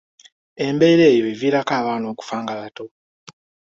Embeera eyo eviirako abaana okufa nga bato.